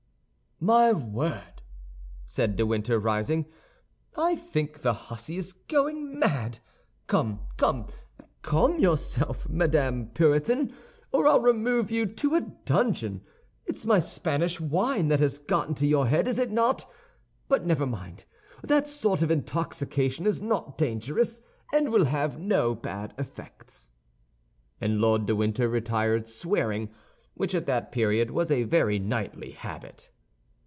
"My word," said de Winter, rising, "I think the hussy is going mad! Come, come, calm yourself, Madame Puritan, or I'll remove you to a dungeon. It's my Spanish wine that has got into your head, is it not? But never mind; that sort of intoxication is not dangerous, and will have no bad effects." And Lord de Winter retired swearing, which at that period was a very knightly habit.